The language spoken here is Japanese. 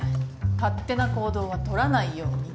勝手な行動は取らないようにって。